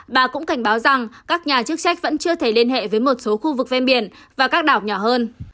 bà cũng cảnh báo rằng các nhà chức trách vẫn chưa thể liên hệ với một số khu vực ven biển và các đảo nhỏ hơn